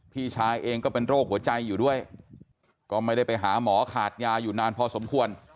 พี่ชายเองก็เป็นโรคหัวใจอยู่ด้วยก็ไม่ได้ไปหาหมอขาดยาอยู่นานพอสมควร